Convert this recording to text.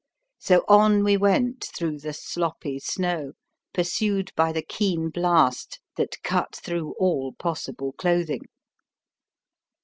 So on we went, through the sloppy snow, pursued by the keen blast that cut through all possible clothing.